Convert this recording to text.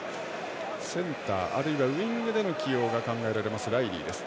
センター、あるいはウイングでの起用が考えられますライリーです。